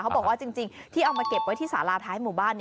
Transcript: บอกว่าจริงที่เอามาเก็บไว้ที่สาราท้ายหมู่บ้าน